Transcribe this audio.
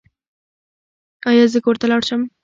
ایا زه کور ته لاړ شم؟